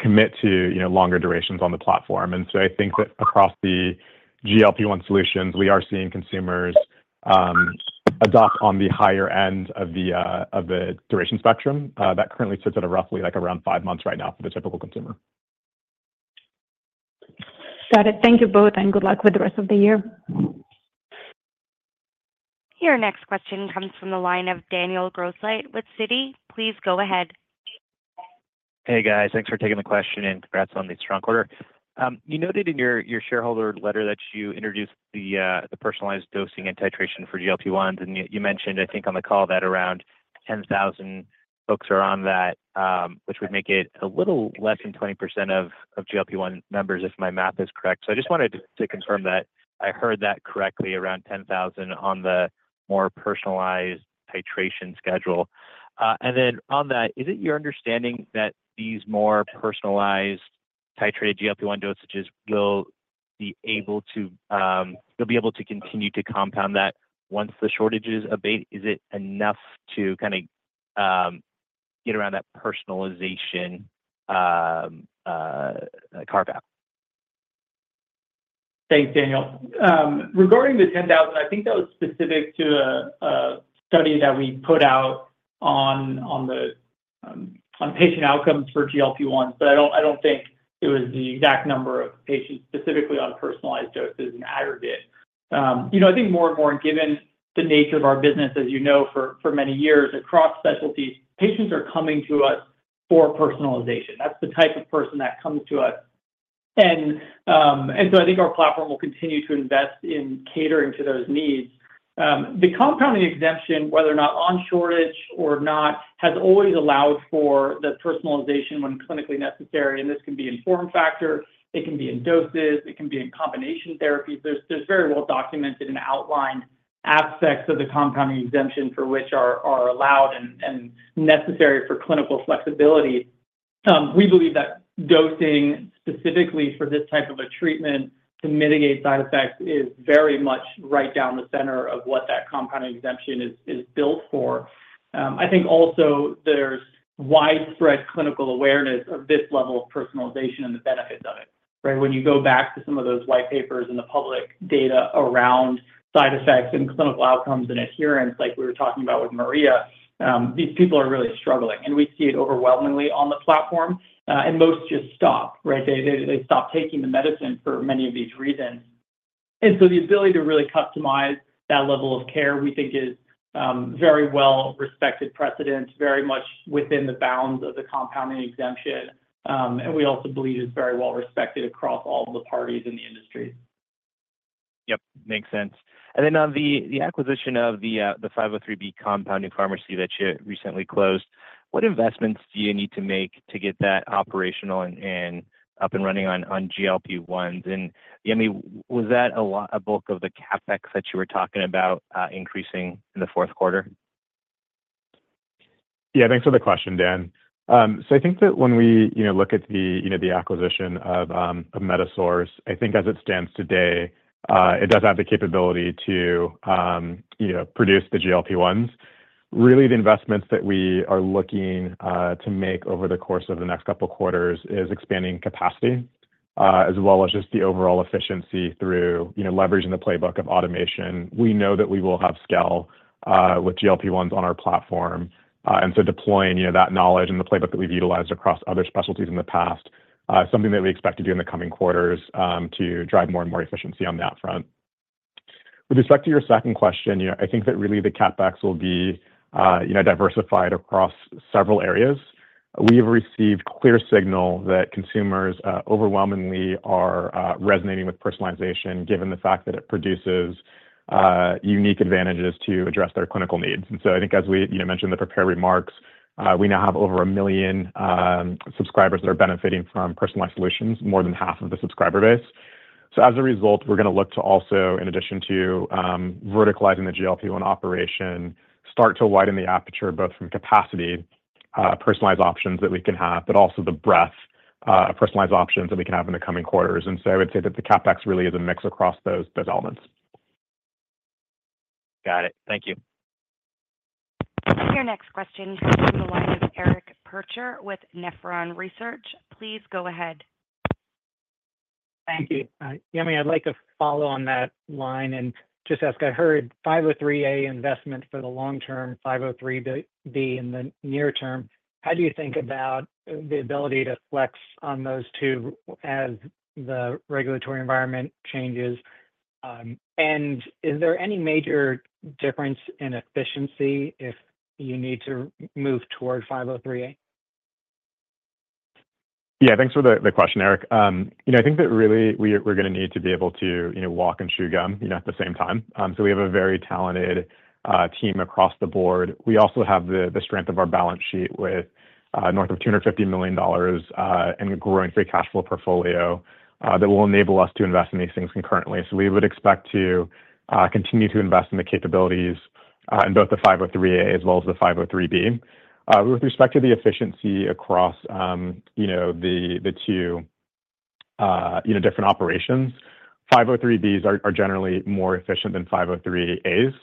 commit to longer durations on the platform. And so I think that across the GLP-1 solutions, we are seeing consumers adopt on the higher end of the duration spectrum that currently sits at roughly around five months right now for the typical consumer. Got it. Thank you both, and good luck with the rest of the year. Your next question comes from the line of Daniel Grosslight with Citi. Please go ahead. Hey, guys. Thanks for taking the question and congrats on the strong quarter. You noted in your shareholder letter that you introduced the personalized dosing and titration for GLP-1s. And you mentioned, I think, on the call that around 10,000 folks are on that, which would make it a little less than 20% of GLP-1 members, if my math is correct. So I just wanted to confirm that I heard that correctly, around 10,000 on the more personalized titration schedule. And then on that, is it your understanding that these more personalized titrated GLP-1 dosages will be able to be able to continue to compound that once the shortages abate? Is it enough to kind of get around that personalization carve-out? Thanks, Daniel. Regarding the 10,000, I think that was specific to a study that we put out on patient outcomes for GLP-1s. But I don't think it was the exact number of patients specifically on personalized doses in aggregate. I think more and more, given the nature of our business, as you know, for many years across specialties, patients are coming to us for personalization. That's the type of person that comes to us. And so I think our platform will continue to invest in catering to those needs. The compounding exemption, whether or not on shortage or not, has always allowed for the personalization when clinically necessary. And this can be in form factor. It can be in doses. It can be in combination therapies. There's very well-documented and outlined aspects of the compounding exemption for which are allowed and necessary for clinical flexibility. We believe that dosing specifically for this type of a treatment to mitigate side effects is very much right down the center of what that compounding exemption is built for. I think also there's widespread clinical awareness of this level of personalization and the benefits of it. When you go back to some of those white papers and the public data around side effects and clinical outcomes and adherence, like we were talking about with Maria, these people are really struggling. And we see it overwhelmingly on the platform. And most just stop. They stop taking the medicine for many of these reasons. And so the ability to really customize that level of care, we think, is very well-respected precedent, very much within the bounds of the compounding exemption. And we also believe it's very well-respected across all the parties in the industry. Yep. Makes sense. And then on the acquisition of the 503B compounding pharmacy that you recently closed, what investments do you need to make to get that operational and up and running on GLP-1s? And Yemi, was that a bulk of the CapEx that you were talking about increasing in the fourth quarter? Yeah. Thanks for the question, Dan. So I think that when we look at the acquisition of MedisourceRx, I think as it stands today, it does have the capability to produce the GLP-1s. Really, the investments that we are looking to make over the course of the next couple of quarters is expanding capacity as well as just the overall efficiency through leveraging the playbook of automation. We know that we will have scale with GLP-1s on our platform. And so deploying that knowledge and the playbook that we've utilized across other specialties in the past is something that we expect to do in the coming quarters to drive more and more efficiency on that front. With respect to your second question, I think that really the CapEx will be diversified across several areas. We have received clear signal that consumers overwhelmingly are resonating with personalization given the fact that it produces unique advantages to address their clinical needs, and so I think as we mentioned in the prepared remarks, we now have over a million subscribers that are benefiting from personalized solutions, more than half of the subscriber base, so as a result, we're going to look to also, in addition to verticalizing the GLP-1 operation, start to widen the aperture both from capacity, personalized options that we can have, but also the breadth of personalized options that we can have in the coming quarters, and so I would say that the CapEx really is a mix across those elements. Got it. Thank you. Your next question comes from the line of Eric Percher with Nephron Research. Please go ahead. Thank you. Yemi, I'd like to follow on that line and just ask, I heard 503A investment for the long term, 503B in the near term. How do you think about the ability to flex on those two as the regulatory environment changes? And is there any major difference in efficiency if you need to move toward 503A? Yeah. Thanks for the question, Eric. I think that really we're going to need to be able to walk and chew gum at the same time. So we have a very talented team across the board. We also have the strength of our balance sheet with north of $250 million and a growing free cash flow portfolio that will enable us to invest in these things concurrently. So we would expect to continue to invest in the capabilities in both the 503A as well as the 503B. With respect to the efficiency across the two different operations, 503Bs are generally more efficient than 503As.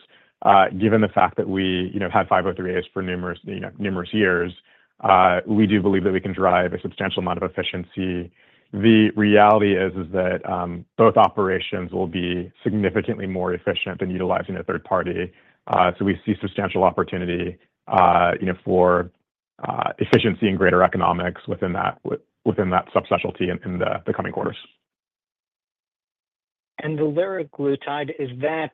Given the fact that we have 503As for numerous years, we do believe that we can drive a substantial amount of efficiency. The reality is that both operations will be significantly more efficient than utilizing a third party. So we see substantial opportunity for efficiency and greater economics within that subspecialty in the coming quarters. And the liraglutide, is that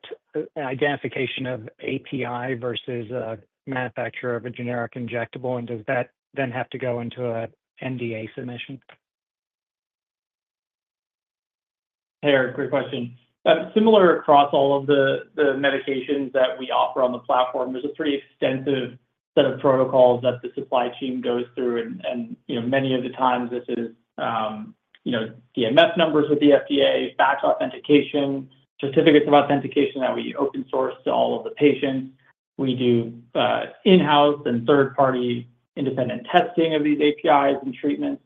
an identification of API versus a manufacturer of a generic injectable? And does that then have to go into an NDA submission? Hey, Eric, great question. Similar across all of the medications that we offer on the platform, there's a pretty extensive set of protocols that the supply chain goes through. Many of the times, this is DMF numbers with the FDA, batch authentication, certificates of analysis that we open source to all of the patients. We do in-house and third-party independent testing of these APIs and treatments,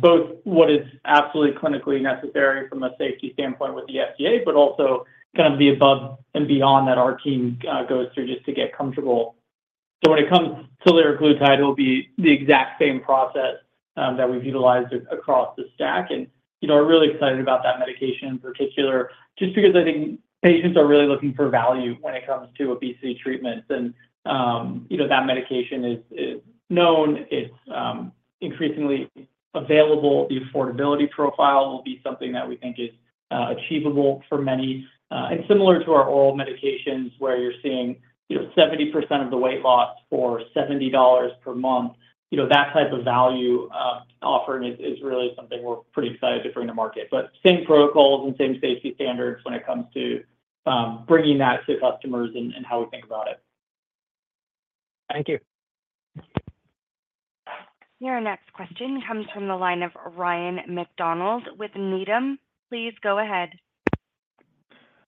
both what is absolutely clinically necessary from a safety standpoint with the FDA, but also kind of the above and beyond that our team goes through just to get comfortable. When it comes to liraglutide, it'll be the exact same process that we've utilized across the stack. We're really excited about that medication in particular just because I think patients are really looking for value when it comes to obesity treatments. That medication is known. It's increasingly available. The affordability profile will be something that we think is achievable for many. And similar to our oral medications where you're seeing 70% of the weight loss for $70 per month, that type of value offering is really something we're pretty excited to bring to market. But same protocols and same safety standards when it comes to bringing that to customers and how we think about it. Thank you. Your next question comes from the line of Ryan MacDonald with Needham. Please go ahead.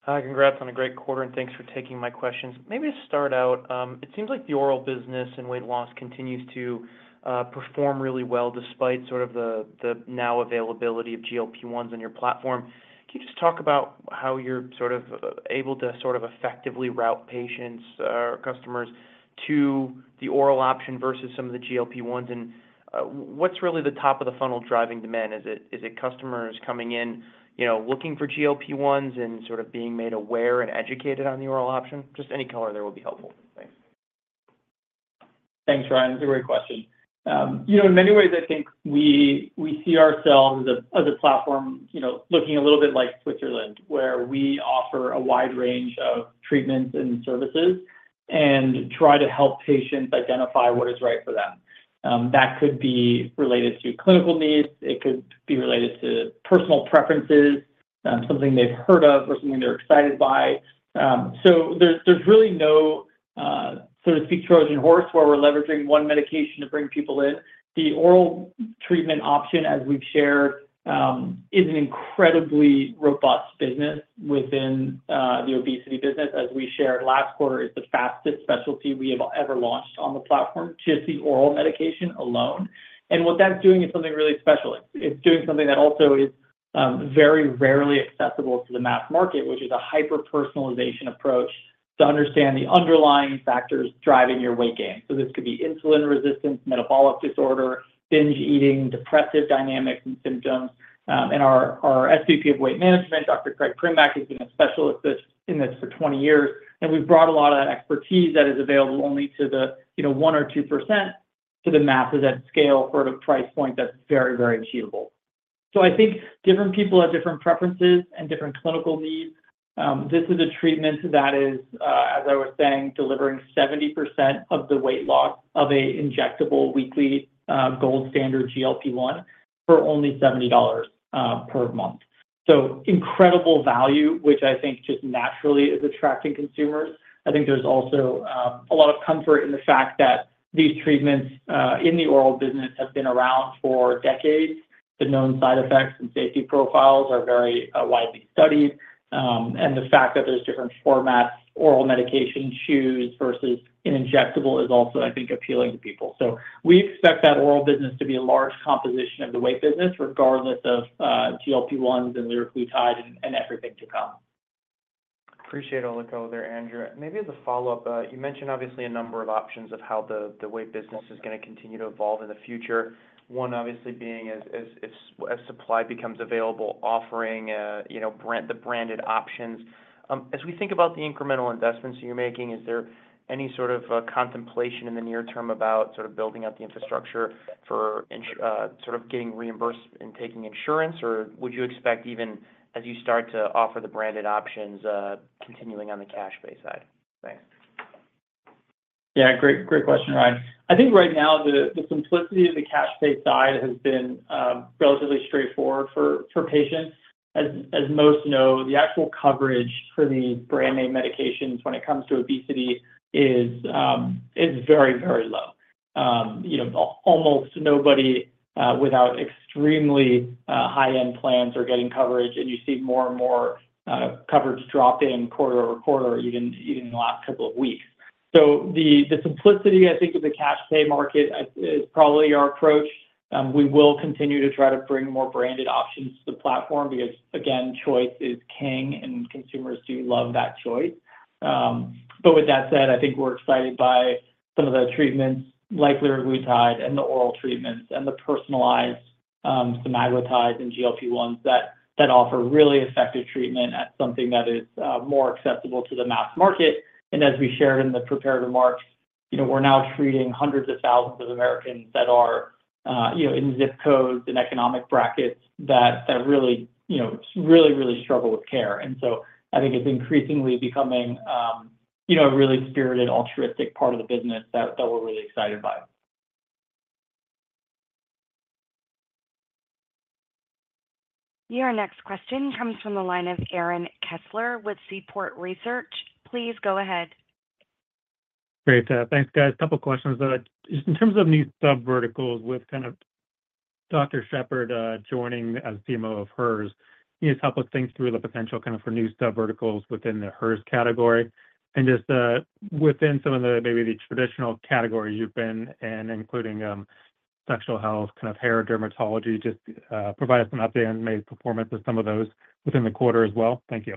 Hi, congrats on a great quarter. And thanks for taking my questions. Maybe to start out, it seems like the oral business and weight loss continues to perform really well despite sort of the now availability of GLP-1s on your platform. Can you just talk about how you're sort of able to sort of effectively route patients or customers to the oral option versus some of the GLP-1s? And what's really the top of the funnel driving demand? Is it customers coming in looking for GLP-1s and sort of being made aware and educated on the oral option? Just any color there will be helpful. Thanks. Thanks, Ryan. It's a great question. In many ways, I think we see ourselves as a platform looking a little bit like Switzerland, where we offer a wide range of treatments and services and try to help patients identify what is right for them. That could be related to clinical needs. It could be related to personal preferences, something they've heard of or something they're excited by. So there's really no, so to speak, Trojan horse where we're leveraging one medication to bring people in. The oral treatment option, as we've shared, is an incredibly robust business within the obesity business. As we shared last quarter, it's the fastest specialty we have ever launched on the platform, just the oral medication alone. What that's doing is something really special. It's doing something that also is very rarely accessible to the mass market, which is a hyper-personalization approach to understand the underlying factors driving your weight gain. This could be insulin resistance, metabolic disorder, binge eating, depressive dynamics, and symptoms. Our SVP of weight management, Dr. Craig Primack, has been a specialist in this for 20 years. We've brought a lot of that expertise that is available only to the one or two percent to the masses at scale for a price point that's very, very achievable. Different people have different preferences and different clinical needs. This is a treatment that is, as I was saying, delivering 70% of the weight loss of an injectable weekly gold standard GLP-1 for only $70 per month. Incredible value, which I think just naturally is attracting consumers. I think there's also a lot of comfort in the fact that these treatments in the oral business have been around for decades. The known side effects and safety profiles are very widely studied. And the fact that there's different formats, oral medication chews versus an injectable is also, I think, appealing to people. So we expect that oral business to be a large composition of the weight business, regardless of GLP-1s and liraglutide and everything to come. Appreciate all that, Andrew. Maybe as a follow-up, you mentioned obviously a number of options of how the weight business is going to continue to evolve in the future. One, obviously, being as supply becomes available, offering the branded options. As we think about the incremental investments you're making, is there any sort of contemplation in the near term about sort of building out the infrastructure for sort of getting reimbursed and taking insurance? Or would you expect even as you start to offer the branded options, continuing on the cash pay side? Thanks. Yeah. Great question, Ryan. I think right now, the simplicity of the cash pay side has been relatively straightforward for patients. As most know, the actual coverage for these brand-name medications when it comes to obesity is very, very low. Almost nobody without extremely high-end plans are getting coverage. And you see more and more coverage drop in quarter-over-quarter, even in the last couple of weeks. So the simplicity, I think, of the cash pay market is probably our approach. We will continue to try to bring more branded options to the platform because, again, choice is king, and consumers do love that choice. But with that said, I think we're excited by some of the treatments, like liraglutide and the oral treatments and the personalized semaglutides and GLP-1s that offer really effective treatment at something that is more accessible to the mass market, and as we shared in the prepared remarks, we're now treating hundreds of thousands of Americans that are in zip codes and economic brackets that really, really, really struggle with care, and so I think it's increasingly becoming a really spirited altruistic part of the business that we're really excited by. Your next question comes from the line of Aaron Kessler with Seaport Research. Please go ahead. Great. Thanks, guys. A couple of questions. Just in terms of new subverticals with kind of Dr. Shepherd joining as CMO of Hers, can you just help us think through the potential kind of for new subverticals within the Hers category? And just within some of the maybe the traditional categories you've been in, including sexual health, kind of hair dermatology, just provide us an update on maybe performance of some of those within the quarter as well. Thank you.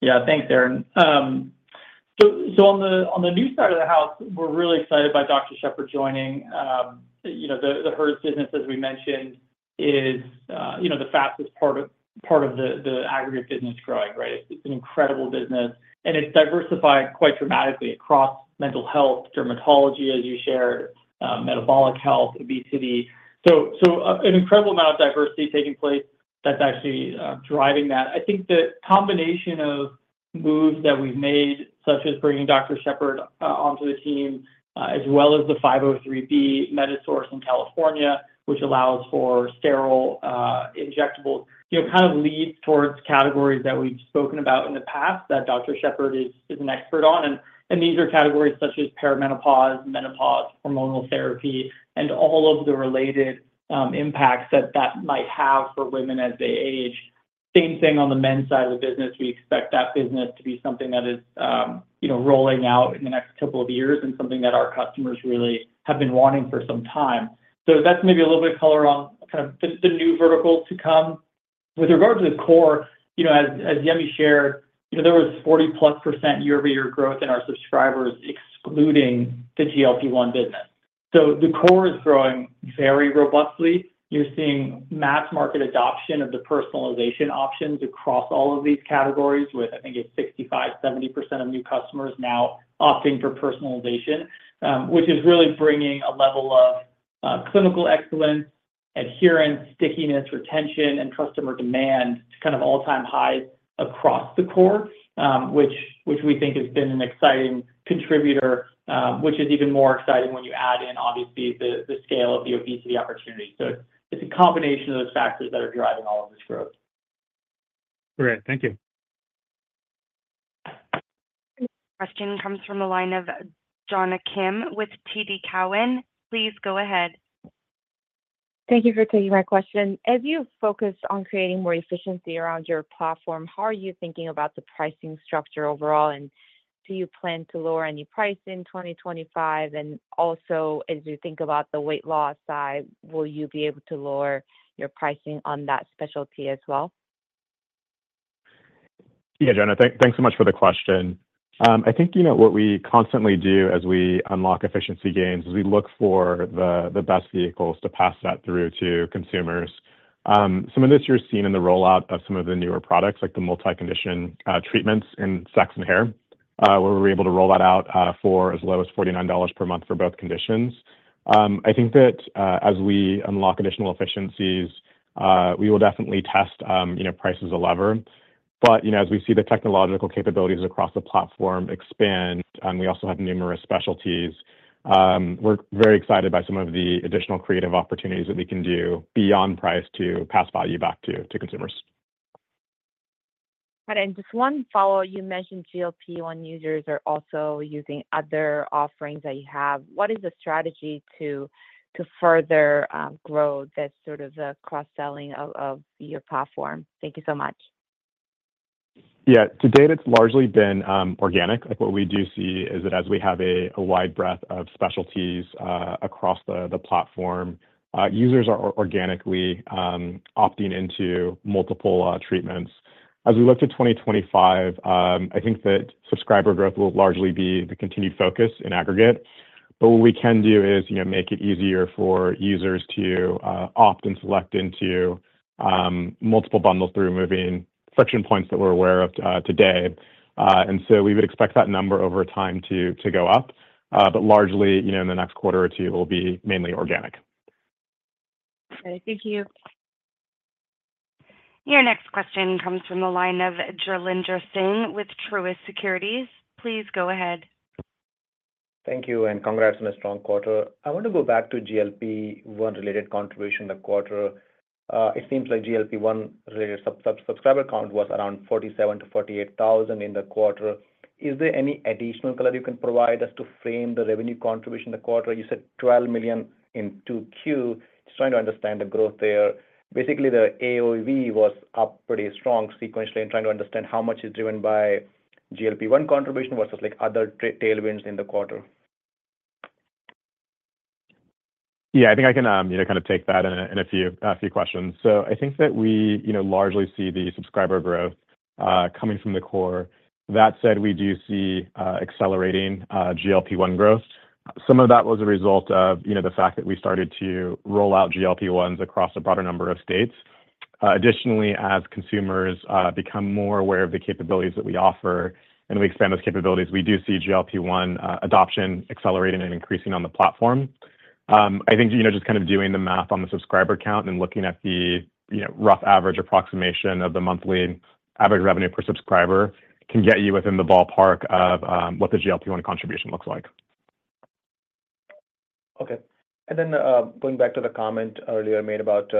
Yeah. Thanks, Aaron. So on the new side of the house, we're really excited by Dr. Shepherd joining. The Hers business, as we mentioned, is the fastest part of the aggregate business growing, right? It's an incredible business. And it's diversified quite dramatically across mental health, dermatology, as you shared, metabolic health, obesity. So an incredible amount of diversity taking place that's actually driving that. I think the combination of moves that we've made, such as bringing Dr. Shepherd onto the team, as well as the 503B Medisource in California, which allows for sterile injectables, kind of leads towards categories that we've spoken about in the past that Dr. Shepherd is an expert on. And these are categories such as perimenopause, menopause, hormonal therapy, and all of the related impacts that that might have for women as they age. Same thing on the men's side of the business. We expect that business to be something that is rolling out in the next couple of years and something that our customers really have been wanting for some time. So that's maybe a little bit of color on kind of the new verticals to come. With regard to the core, as Yemi shared, there was 40+% year-over-year growth in our subscribers, excluding the GLP-1 business. So the core is growing very robustly. You're seeing mass market adoption of the personalization options across all of these categories with, I think, a 65%-70% of new customers now opting for personalization, which is really bringing a level of clinical excellence, adherence, stickiness, retention, and customer demand to kind of all-time highs across the core, which we think has been an exciting contributor, which is even more exciting when you add in, obviously, the scale of the obesity opportunity. So it's a combination of those factors that are driving all of this growth. Great. Thank you. Question comes from the line of Jonna Kim with TD Cowen. Please go ahead. Thank you for taking my question. As you focus on creating more efficiency around your platform, how are you thinking about the pricing structure overall? And do you plan to lower any price in 2025? And also, as you think about the weight loss side, will you be able to lower your pricing on that specialty as well? Yeah, Jonna, thanks so much for the question. I think what we constantly do as we unlock efficiency gains is we look for the best vehicles to pass that through to consumers. Some of this you're seeing in the rollout of some of the newer products, like the multi-condition treatments in sex and hair, where we were able to roll that out for as low as $49 per month for both conditions. I think that as we unlock additional efficiencies, we will definitely test price as a lever. But as we see the technological capabilities across the platform expand, and we also have numerous specialties, we're very excited by some of the additional creative opportunities that we can do beyond price to pass value back to consumers. Just one follow-up. You mentioned GLP-1 users are also using other offerings that you have. What is the strategy to further grow that sort of cross-selling of your platform? Thank you so much. Yeah. To date, it's largely been organic. What we do see is that as we have a wide breadth of specialties across the platform, users are organically opting into multiple treatments. As we look to 2025, I think that subscriber growth will largely be the continued focus in aggregate. What we can do is make it easier for users to opt and select into multiple bundles through removing friction points that we're aware of today. We would expect that number over time to go up. Largely, in the next quarter or two, it will be mainly organic. Okay. Thank you. Your next question comes from the line of Jailendra Singh with Truist Securities. Please go ahead. Thank you. And congrats on a strong quarter. I want to go back to GLP-1-related contribution in the quarter. It seems like GLP-1-related subscriber count was around 47,000-48,000 in the quarter. Is there any additional color you can provide us to frame the revenue contribution in the quarter? You said $12 million in Q2. Just trying to understand the growth there. Basically, the AOV was up pretty strong sequentially in trying to understand how much is driven by GLP-1 contribution versus other tailwinds in the quarter. Yeah. I think I can kind of take that in a few questions. So I think that we largely see the subscriber growth coming from the core. That said, we do see accelerating GLP-1 growth. Some of that was a result of the fact that we started to roll out GLP-1s across a broader number of states. Additionally, as consumers become more aware of the capabilities that we offer and we expand those capabilities, we do see GLP-1 adoption accelerating and increasing on the platform. I think just kind of doing the math on the subscriber count and looking at the rough average approximation of the monthly average revenue per subscriber can get you within the ballpark of what the GLP-1 contribution looks like. Okay. And then going back to the comment earlier made about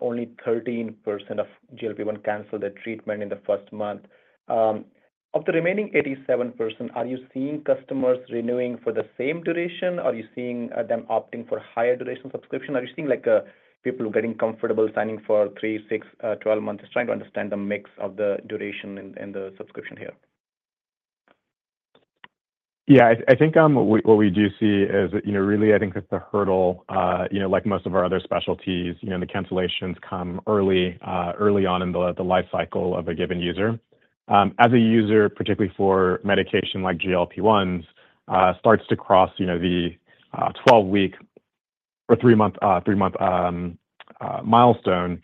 only 13% of GLP-1 canceled their treatment in the first month. Of the remaining 87%, are you seeing customers renewing for the same duration? Are you seeing them opting for higher duration subscription? Are you seeing people getting comfortable signing for three, six, 12 months? Just trying to understand the mix of the duration and the subscription here. Yeah. I think what we do see is really, I think that the hurdle, like most of our other specialties, the cancellations come early on in the life cycle of a given user. As a user, particularly for medication like GLP-1s, starts to cross the 12-week or three-month milestone,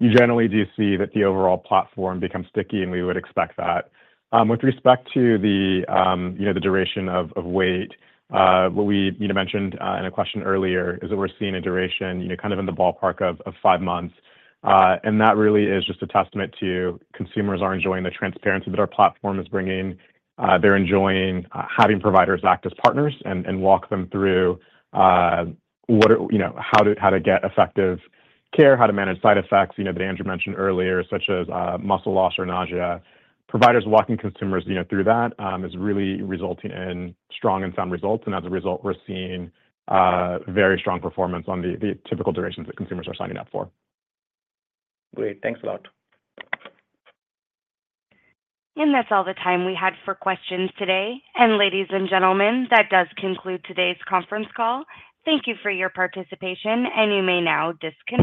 you generally do see that the overall platform becomes sticky, and we would expect that. With respect to the duration of weight, what we mentioned in a question earlier is that we're seeing a duration kind of in the ballpark of five months. And that really is just a testament to consumers are enjoying the transparency that our platform is bringing. They're enjoying having providers act as partners and walk them through how to get effective care, how to manage side effects that Andrew mentioned earlier, such as muscle loss or nausea. Providers walking consumers through that is really resulting in strong and sound results. And as a result, we're seeing very strong performance on the typical durations that consumers are signing up for. Great. Thanks a lot. And that's all the time we had for questions today. And ladies and gentlemen, that does conclude today's conference call. Thank you for your participation, and you may now disconnect.